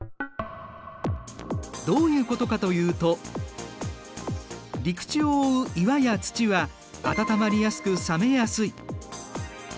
どういうことかというと陸地を覆う岩や土は温まりやすく冷めやすい。